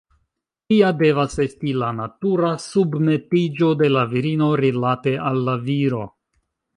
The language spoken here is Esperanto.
Tia devas esti la natura submetiĝo de la virino rilate al la viro.